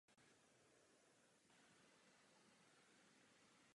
Již v době studií se intenzivně zapojil do studentského hnutí.